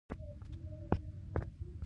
هغه کسان هم پکې راتللی شي چې مینه ورسره لرو.